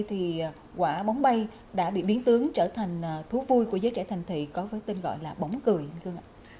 thì quả bóng bay đã bị biến tướng trở thành thú vui của giới trẻ thành thị có với tên gọi là bóng cười hay không ạ